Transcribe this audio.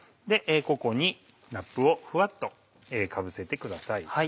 ここにラップをふわっとかぶせてください。